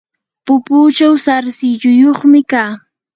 pupuchaw sarsilluyuqmi kaa.